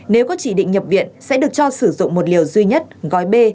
nếu có chỉ định nhập viện sẽ được cho sử dụng một liều duy nhất gói b